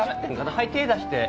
はい手出して。